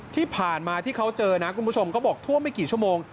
ที่ผ่านมาที่เขาเจอนะคุณผู้ชมเขาบอกท่วมไม่กี่ชั่วโมง